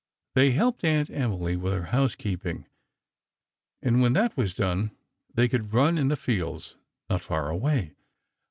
They helped Aunt Emily with her housekeeping, and when that was done, they could run in the fields, not far away.